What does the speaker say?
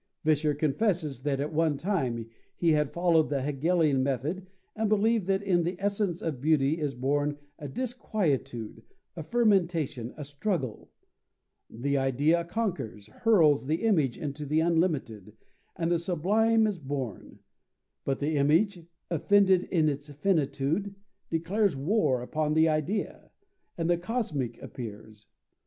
Vischer confesses that at one time he had followed the Hegelian method and believed that in the essence of beauty is born a disquietude, a fermentation, a struggle: the Idea conquers, hurls the image into the unlimited, and the Sublime is born; but the image, offended in its finitude, declares war upon the Idea, and the Comic appears.